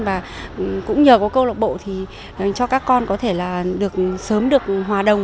và cũng nhờ có câu lạc bộ thì cho các con có thể sớm được hòa đồng